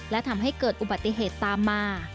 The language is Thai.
และทำให้เกิดอุบัติเหตุตามมา